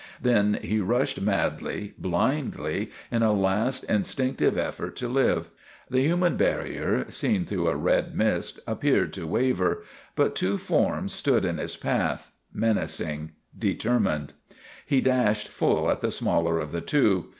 Then he rushed, madly, blindly, in a last instinctive effort to live. The human barrier, seen through a red mist, ap peared to waver, but two forms stood in his path, menacing, determined. He dashed full at the smaller of the two.